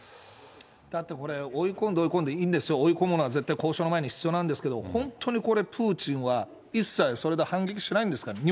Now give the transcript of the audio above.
だってこれ、追い込んで、追い込んでいいんですよ、追い込むのは絶対交渉の前に必要なんですけど、本当にこれ、プーチンは、一切それで反撃しないんですか。